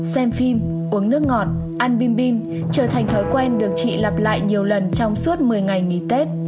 xem phim uống nước ngọt ăn bim bim trở thành thói quen được chị lặp lại nhiều lần trong suốt một mươi ngày nghỉ tết